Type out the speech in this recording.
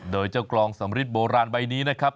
โดยเจ้ากลองสำริดโบราณใบนี้นะครับ